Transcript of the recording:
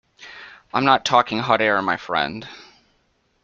I’m not talking hot air, my friend.